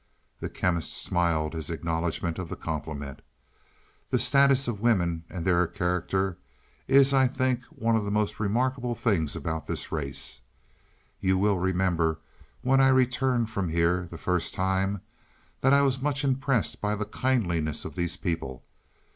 The Chemist smiled his acknowledgment of the compliment. "The status of women and their character is I think one of the most remarkable things about this race. You will remember, when I returned from here the first time, that I was much impressed by the kindliness of these people.